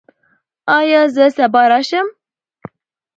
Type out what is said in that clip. ایا زه سبا راشم؟